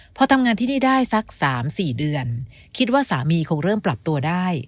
พอทำงานที่นี่ได้สัก๓๔เดือนคิดว่าสามีคงเริ่มปรับตัวได้